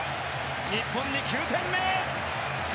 日本に９点目！